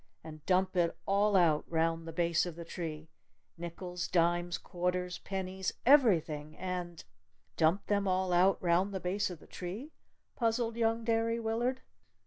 And dump it all out round the base of the tree! Nickels! Dimes! Quarters! Pennies! Everything! And " "Dump them all out round the base of the tree?" puzzled young Derry Willard.